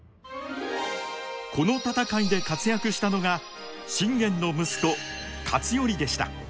この戦いで活躍したのが信玄の息子勝頼でした。